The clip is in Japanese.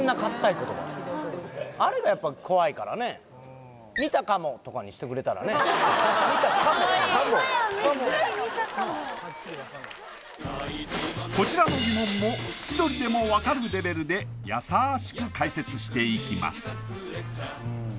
ホンマや見たかもこちらの疑問も千鳥でも分かるレベルでやさしく解説していきます